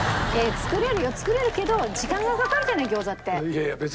作れるけど時間がかかるじゃない餃子って。